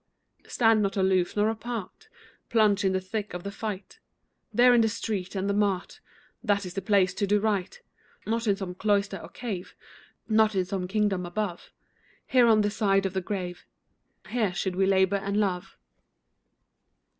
Stand not aloof nor apart, Plunge in the thick of the fight; There, in the street and the mart, That is the place to do right. Not in some cloister or cave, Not in some kingdom above, Here, on this side of the grave, Here, should we labour and love.